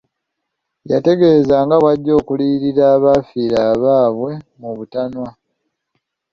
Yategeeza nga bwe bajja okuliriyirira abaafiirwa abaabwe mu butanwa .